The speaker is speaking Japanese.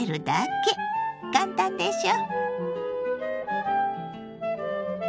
簡単でしょ！